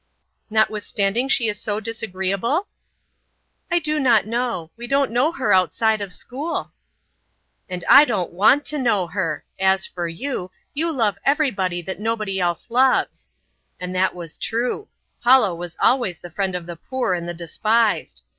"Notwithstanding she is so disagreeable?" "I do not know. We don't know her outside of school." "And I don't want to know her. As for you, you love everybody that nobody else loves." And that was true: Paula was always the friend of the poor and the despised.